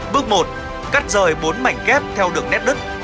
bước một cắt rời bốn mảnh ghép theo đường nét đất